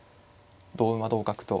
同馬同角と。